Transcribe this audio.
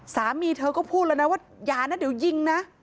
สามีเธอก็พูดแล้วนะว่าอย่านะเดี๋ยวยิงนะ